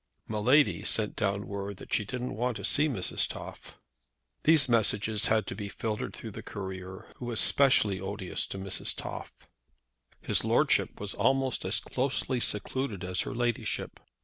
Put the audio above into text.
My lady sent down word that she didn't want to see Mrs. Toff. These messages had to be filtered through the courier, who was specially odious to Mrs. Toff. His Lordship was almost as closely secluded as her Ladyship.